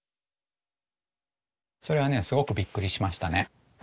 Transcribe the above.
それはねすごくびっくりしましたね。